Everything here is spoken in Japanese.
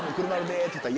って。